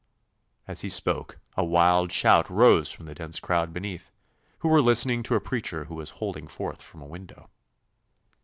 As he spoke a wild shout rose from the dense crowd beneath, who were listening to a preacher who was holding forth from a window.